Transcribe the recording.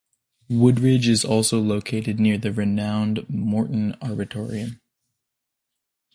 Woodridge is also located near the renowned Morton Arboretum.